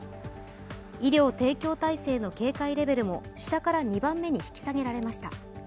医療提供体制の警戒レベルも下から２番目に引き下げられました。